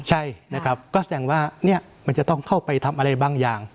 ใช่นะครับก็แสดงว่ามันจะต้องเข้าไปทำอะไรบางอย่าง